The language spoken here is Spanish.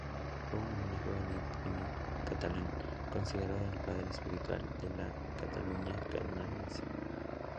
Fue un monje benedictino catalán, considerado el padre espiritual de la Cataluña naciente.